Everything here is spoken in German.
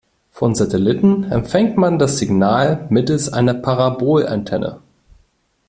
Vom Satelliten empfängt man das Signal mittels einer Parabolantenne.